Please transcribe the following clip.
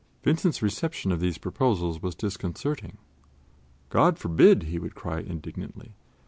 Vincent's reception of these proposals was disconcerting. "God forbid!" he would cry indignantly.